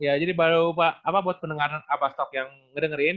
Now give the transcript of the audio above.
ya jadi baru apa buat pendengar abbas talk yang ngedengerin